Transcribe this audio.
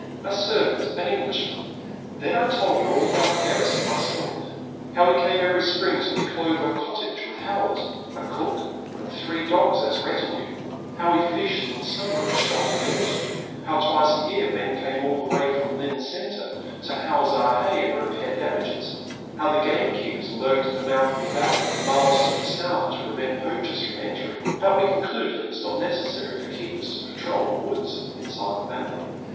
A servant, an Englishman. Probably, said she, looking dreamily at me. Then I told her all about Ferris and myself; how we came every spring to the Clover Cottage The Silent Land. 97 with Howlett, a cook, and three dogs as retinue, how we fished in summer and shot in the autumn, how twice a year men came all the way from Lynne Center to house our hay and repair dam ages, how the game keepers lurked at the mouth of the valley, miles to the south, to prevent poachers from entering, but we concluded it was not necessary for keepers to patrol the woods inside the valley.